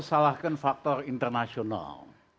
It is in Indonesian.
salahkan faktor internasional